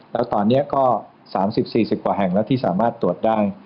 แล้วตอนนี้ก็๓๐๔๐กว่าแห่งแล้วที่สามารถตรวจได้